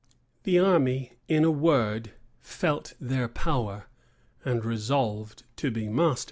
[v] The army, in a word, felt their power, and resolved to be masters.